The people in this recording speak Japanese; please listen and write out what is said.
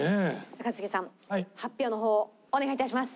一茂さん発表の方をお願いいたします。